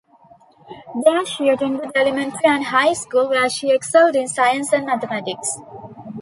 There she attended elementary and high school, where she excelled in science and mathematics.